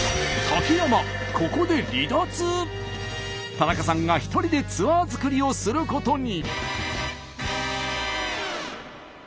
田中さんが一人でツアー作りをすることに。